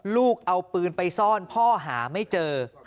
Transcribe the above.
ลูกเอาปืนไปซ่อนพ่อหาไม่เจอ